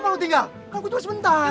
maaf mau tinggal kan gue terus bentar